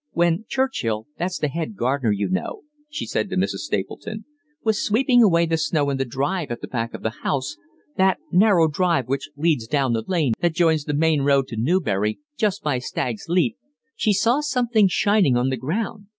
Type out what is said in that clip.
When Churchill that's the head gardener, you know," she said to Mrs. Stapleton "was sweeping away the snow in the drive at the back of the house, that narrow drive which leads down to the lane that joins the main road to Newbury, just by Stag's Leap, he saw something shining on the ground.